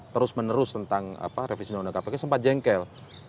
terus menerus tentang revisi undang undang kpk sempat jengkel